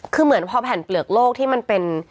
คือเหมือนพอแผ่นเปลือกโลกที่มันเป็น